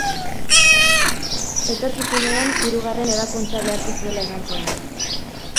Etorkizunean hirugarren ebakuntza beharko zuela esan zuen.